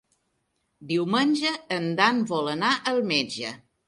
Diumenge en Dan vol anar al metge.